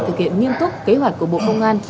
thực hiện nghiêm túc kế hoạch của bộ công an